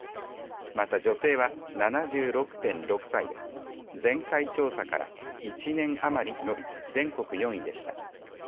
また女性は７６．６歳で前回調査から１年余り延び全国４位でした。